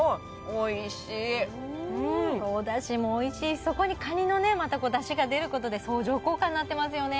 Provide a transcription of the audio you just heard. おだしもおいしいしそこにカニのねまただしが出ることで相乗効果になってますよね